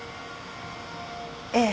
ええ。